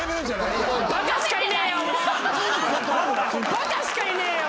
バカしかいねえよ。